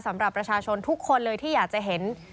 สำหรับประชาชนทุกคนเลยที่อยากจะเห็น